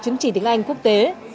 chứng trị tiếng anh quốc tế